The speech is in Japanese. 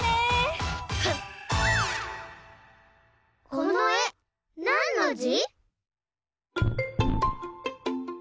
このえなんのじ？